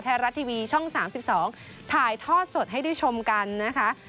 ไทยรัฐทีวีช่อง๓๒ถ่ายทอดสดให้ได้ชมกันนะคะ